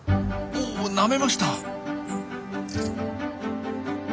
おなめました！